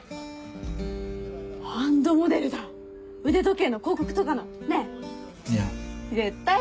ハンドモデルだ腕時計の広告とかのねっ！